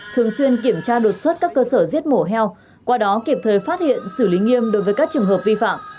thường xuyên kiểm tra đột xuất các cơ sở giết mổ heo qua đó kịp thời phát hiện xử lý nghiêm đối với các trường hợp vi phạm